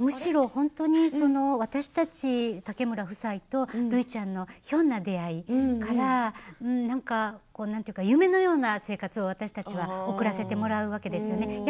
むしろ本当に私たち竹村夫妻とるいちゃんのひょんな出会いからなんか夢のような生活を私たちは送らせてもらうわけですよね。